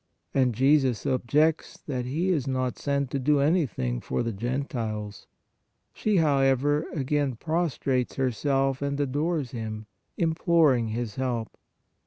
And Jesus objects that He is not sent to do anything for the Gentiles. She, however, again prostrates herself and adores Him, imploring His help.